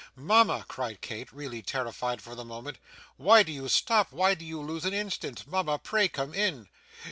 'Mama!' cried Kate, really terrified for the moment, 'why do you stop, why do you lose an instant? Mama, pray come in!